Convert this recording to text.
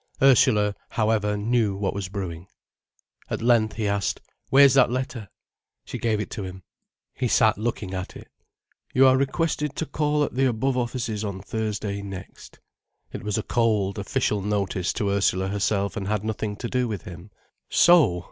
Ursula, however, knew what was brewing. At length he asked: "Where's that letter?" She gave it to him. He sat looking at it. "You are requested to call at the above offices on Thursday next——" It was a cold, official notice to Ursula herself and had nothing to do with him. So!